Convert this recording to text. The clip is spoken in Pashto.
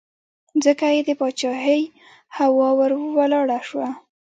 ځکه یې د پاچهۍ هوا ور ولاړه شوه.